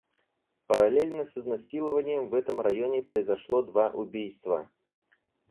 Параллельно с изнасилованием в этом районе произошло два убийства.